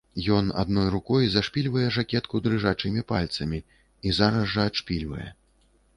Ён адной рукой зашпільвае жакетку дрыжачымі пальцамі і зараз жа адшпільвае.